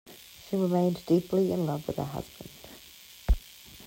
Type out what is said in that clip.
She remained deeply in love with her husband.